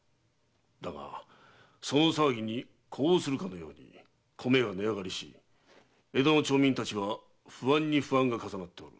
だがその騒ぎに呼応するかのように米が値上がりし江戸の町民たちは不安に不安が重なっておる。